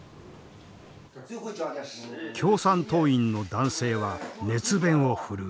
共産党員の男性は熱弁を振るう。